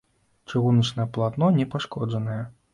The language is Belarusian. Чыгуначнае палатно не пашкоджанае.